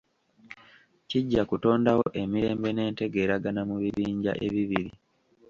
Kijja kutondawo emirembe n'entegeeragana mu bibinja ebibiri.